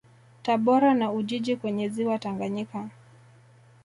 Tabora na Ujiji kwenye Ziwa Tanganyika